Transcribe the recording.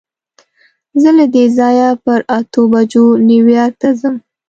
زه له دې ځایه پر اتو بجو نیویارک ته ځم.